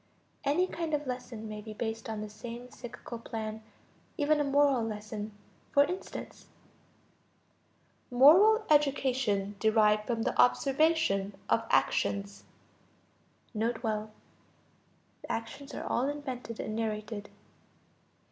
Any kind of lesson may be based on the same psychical plan, even a moral lesson. For instance: Moral education derived from the observation of actions. (N.B. The actions are all invented and narrated.)